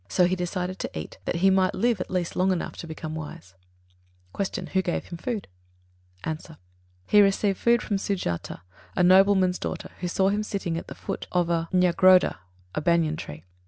So he decided to eat, that he might live at least long enough to become wise. 59. Q. Who gave him food? A. He received food from Sujatā, a nobleman's daughter, who saw him sitting at the foot of a nyagrodha (banyan) tree.